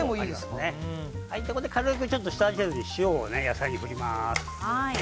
ここで軽く下味で塩を野菜に振ります。